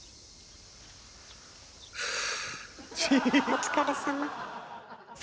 お疲れさま。